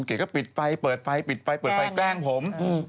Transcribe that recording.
ก็ปิดไฟเปิดไฟแกล้งผม